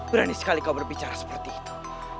berani sekali kau berbicara seperti itu